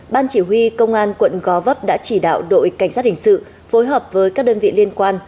ban chỉ huy công an quận gò vấp đã chỉ đạo đội cảnh sát hình sự phối hợp với các đơn vị liên quan